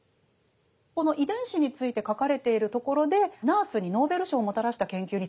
この遺伝子について書かれているところでナースにノーベル賞をもたらした研究について書かれてますね。